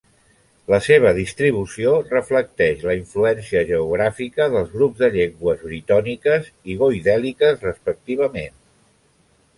La seva distribució reflecteix la influència geogràfica dels grups de llengües britòniques i goidèliques respectivament.